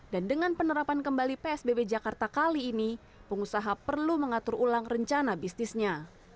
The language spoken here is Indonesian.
dan dengan penerapan kembali psbb jakarta kali ini pengusaha perlu mengatur ulang rencana bisnisnya